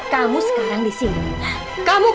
tempat kamu sekarang di sini adalah tempatmu